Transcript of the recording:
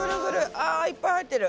あいっぱい入ってる。